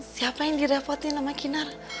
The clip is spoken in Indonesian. siapa yang direpotin sama kinar